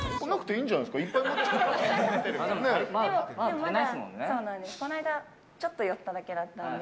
こないだはちょっと寄っただけだったんで。